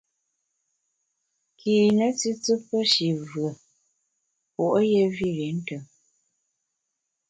Kine tùtù pe shi vùe, puo’ yé vir i ntùm.